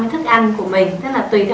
cái thức ăn của mình tức là tùy theo